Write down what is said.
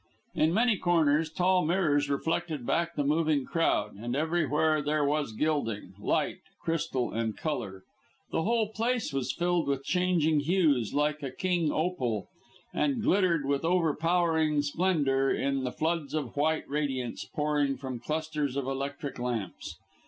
In many corners tall mirrors reflected back the moving crowd, and everywhere there was gilding, light, crystal and colour. The whole place was filled with changing hues like a king opal, and glittered with overpowering splendour in the floods of white radiance pouring from clusters of electric lamps.